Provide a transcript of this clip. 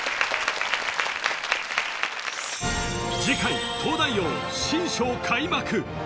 次回「東大王」新章開幕！